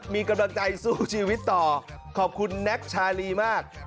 มีกำลังใจสู้ชีวิตต่อขอบคุณแน็กชาลีมาก